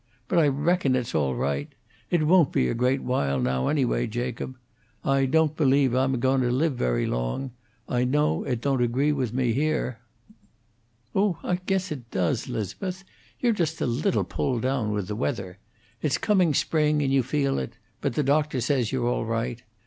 But I reckon it's all right. It won't be a great while, now, anyway. Jacob, I don't believe I'm a goin' to live very long. I know it don't agree with me here." "Oh, I guess it does, 'Liz'beth. You're just a little pulled down with the weather. It's coming spring, and you feel it; but the doctor says you're all right.